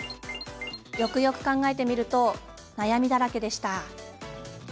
よくよく考えてみると悩みだらけでした。